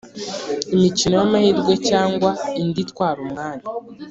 imikino y amahirwe cyangwa indi itwara umwanya